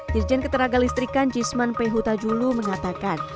dirjen keteraga listrikan jisman p huta julu mengatakan